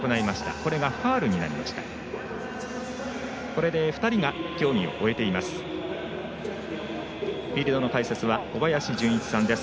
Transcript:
これで２人が競技を終えています。